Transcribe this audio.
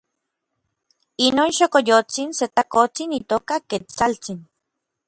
inon xokoyotsin se takotsin itoka Ketsaltsin.